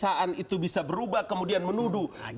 cara pemeriksaan itu bisa berubah kemudian menuduh